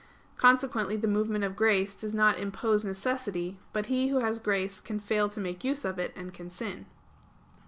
Consequently the movement of grace does not impose necessity; but he who has grace can fail to make use of it, and can sin.